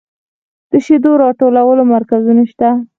د شیدو راټولولو مرکزونه شته